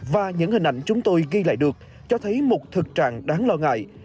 và những hình ảnh chúng tôi ghi lại được cho thấy một thực trạng đáng lo ngại